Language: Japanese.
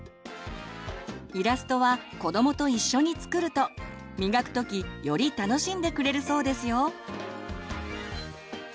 イラストは子どもと一緒に作ると磨くときより楽しんでくれるそうですよ。